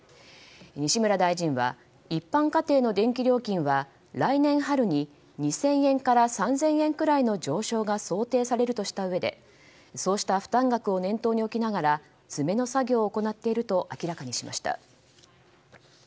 西村大臣は一般家庭の電気料金は来年春に２０００円から３０００円くらいの上昇が想定されるとしたうえでそうした負担額を念頭に置きながら詰めの作業を行っていると明らかにしました。